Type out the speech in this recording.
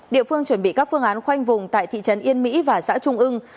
địa phương chuẩn bị các phương án khoanh vùng tại thị trấn yên mỹ và xã trung ương